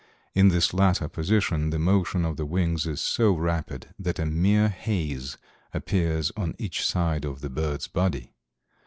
In this latter position the motion of the wings is so rapid that a mere haze appears on each side of the bird's body.